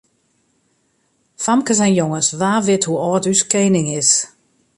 Famkes en jonges, wa wit hoe âld as ús kening is?